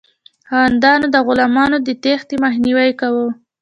خاوندانو د غلامانو د تیښتې مخنیوی کاوه.